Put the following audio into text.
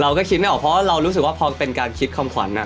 เราก็คิดไม่ออกเพราะว่าเรารู้สึกว่าพอเป็นการคิดคำขวัญ